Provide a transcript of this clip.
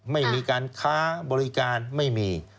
ไม่มีการค้าบริการไม่มี